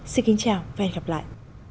xin kính chào và hẹn gặp lại